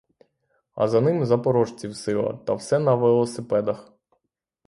А за ним запорожців сила та все на велосипедах.